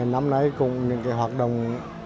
năm nay cùng những hoạt động